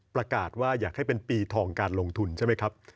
ประกาศว่าอยากให้เป็นปีทองการลงทุนใช่ไหมครับ